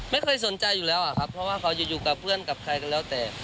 ไม่เคยสนใจอยู่แล้วอะครับเพราะว่าเขาจะอยู่กับเพื่อนกับใครก็แล้วแต่